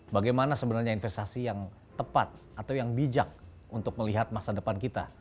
bagaimana sebenarnya investasi yang tepat atau yang bijak untuk melihat masa depan kita